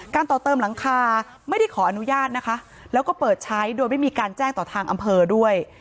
ต่อเติมหลังคาไม่ได้ขออนุญาตนะคะแล้วก็เปิดใช้โดยไม่มีการแจ้งต่อทางอำเภอด้วย